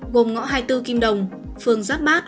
gồm ngõ hai mươi bốn kim đồng phường giáp bát